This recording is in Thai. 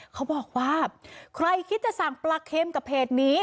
เขาบอกว่าใครคิดจะสั่งปลาเค็มกับเพจนี้